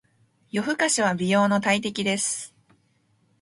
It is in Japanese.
夜更かしは美容の大敵です。